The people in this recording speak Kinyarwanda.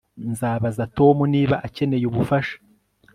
Nzabaza Tom niba akeneye ubufasha